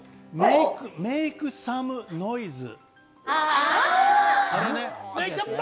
メイクサムノイズ。